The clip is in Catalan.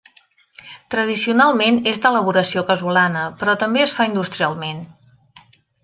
Tradicionalment és d'elaboració casolana però també es fa industrialment.